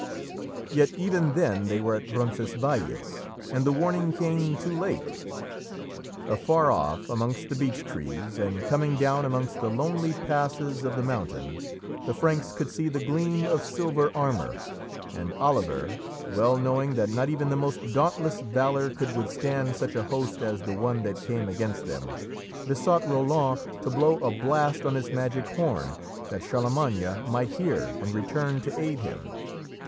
Yet even then they were at Roncesvalles, and the warning came too late. Afar off, amongst the beech trees, and coming down amongst the lonely passes of the mountains, the Franks could see the gleam of silver armour, and Oliver, well knowing that not even the most dauntless valour could withstand such a host as the one that came against them, besought Roland to blow a blast on his magic horn that Charlemagne might hear and return to aid him.